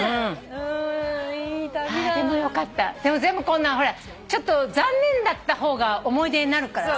でも全部こんなほらちょっと残念だった方が思い出になるからさ。